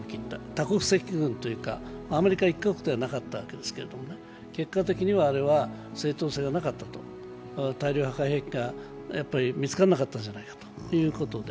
多国籍軍、アメリカ１国ではなかったわけですが、結果的にはあれは正当性がなかったと、大量破壊兵器が見つからなかったじゃないかということで。